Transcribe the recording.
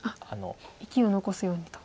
生きを残すようにと。